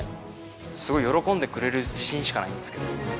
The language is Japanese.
すごい喜んでくれる自信しかないんですけど。